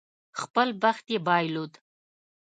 خپل بخت یې بایلود.